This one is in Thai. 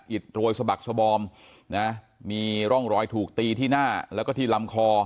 อิดโรยสะบักสบอมนะมีร่องรอยถูกตีที่หน้าแล้วก็ที่ลำคอ